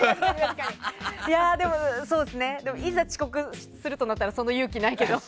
でも、いざ遅刻するとなったらその勇気、ないけど。